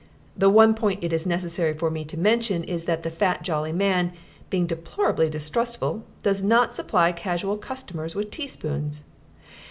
The one point it is necessary for me to mention is that the fat, jolly man, being deplorably distrustful, does not supply casual customers with teaspoons.